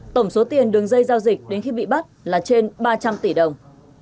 tổng số tiền đường dây giao dịch đến khi bị bắt là trên ba trăm linh tỷ đồng